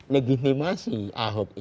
legitimasi ahok ini